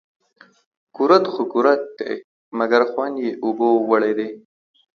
کورت خو کورت دي ، مگر خوند يې اوبو وړى دى